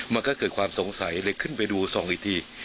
มันก็เกิดความสงสัยเลยขึ้นไปดู๒ที